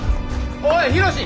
おいヒロシ！